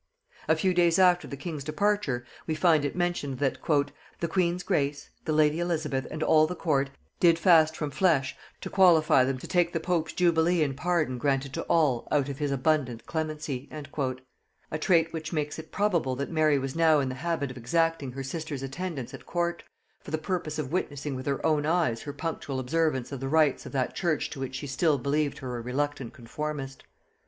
A few days after the king's departure we find it mentioned that "the queen's grace, the lady Elizabeth, and all the court, did fast from flesh to qualify them to take the Pope's jubilee and pardon granted to all out of his abundant clemency;" a trait which makes it probable that Mary was now in the habit of exacting her sister's attendance at court, for the purpose of witnessing with her own eyes her punctual observance of the rites of that church to which she still believed her a reluctant conformist. [Note 27: Strype's Ecclesiastical Memorials.